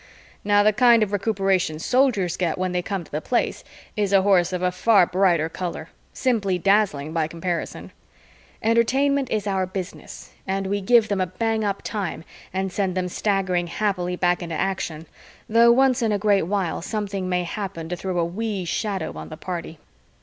Ha! Now the kind of recuperation Soldiers get when they come to the Place is a horse of a far brighter color, simply dazzling by comparison. Entertainment is our business and we give them a bang up time and send them staggering happily back into action, though once in a great while something may happen to throw a wee shadow on the party.